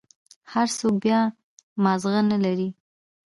هر سوك بيا مازغه نلري.